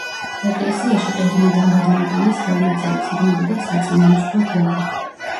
ეკლესიაში ყირიმიდან გადმოიტანეს ხელნაწერი წიგნები და საწინამძღვრო ჯვარი.